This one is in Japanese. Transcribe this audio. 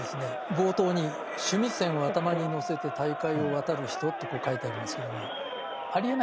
冒頭に「須弥山を頭に載せて大海を渡る人」とこう書いてありますけどもありえないですよね。